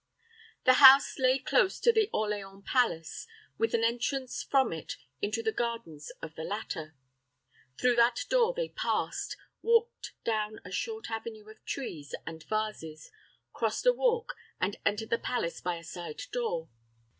The house lay close to the Orleans palace, with an entrance from it into the gardens of the latter. Through that door they passed, walked down a short avenue of trees and vases, crossed a walk, and entered the palace by a side door.